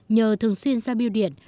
nhờ thường xuyên sang biêu điện